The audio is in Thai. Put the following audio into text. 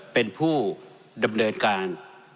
เป็นผู้ดำเนินการ